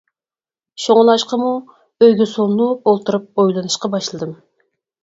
شۇڭلاشقىمۇ، ئۆيگە سولىنىپ ئولتۇرۇپ ئويلىنىشقا باشلىدىم.